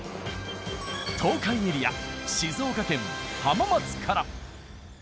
東海エリア静岡県浜松から。